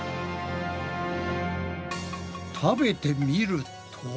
食べてみると。